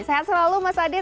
sehat selalu mas aderai